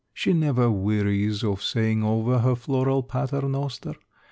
She never wearies of saying over her floral pater noster.